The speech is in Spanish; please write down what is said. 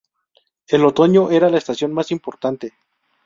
El otoño era la estación más importante.